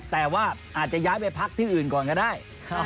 แต่ว่าอาจจะย้ายไปพักที่อื่นก่อนก็ได้